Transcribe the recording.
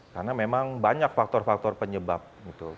karena memang banyak faktor faktor penyebab bryan a damar